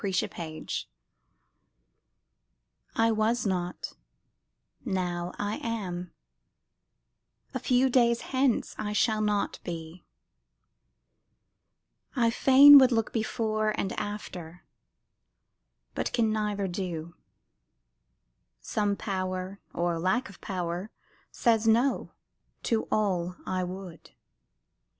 THE MYSTERY I was not; now I am a few days hence I shall not be; I fain would look before And after, but can neither do; some Power Or lack of power says "no" to all I would.